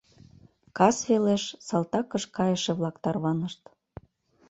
Кас велеш салтакыш кайыше-влак тарванышт.